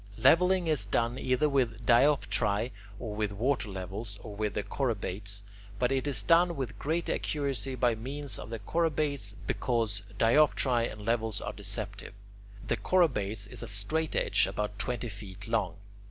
Levelling is done either with dioptrae, or with water levels, or with the chorobates, but it is done with greater accuracy by means of the chorobates, because dioptrae and levels are deceptive. The chorobates is a straightedge about twenty feet long.